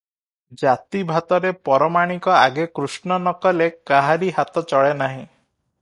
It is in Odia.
ଜାତିଭାତରେ ପରମାଣିକ ଆଗେ କୃଷ୍ଣ ନ କଲେ କାହାରି ହାତ ଚଳେ ନାହିଁ ।